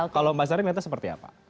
kalau mbak sari melihatnya seperti apa